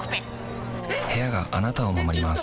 部屋があなたを守ります